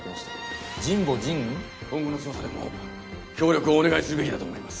今後の捜査でも協力をお願いするべきだと思います。